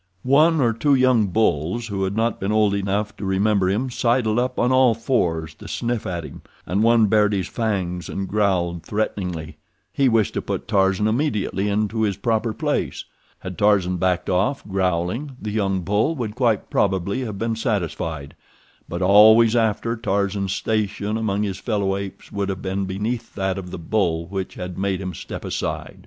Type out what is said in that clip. One or two young bulls who had not been old enough to remember him sidled up on all fours to sniff at him, and one bared his fangs and growled threateningly—he wished to put Tarzan immediately into his proper place. Had Tarzan backed off, growling, the young bull would quite probably have been satisfied, but always after Tarzan's station among his fellow apes would have been beneath that of the bull which had made him step aside.